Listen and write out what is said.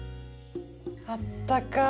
あったかい。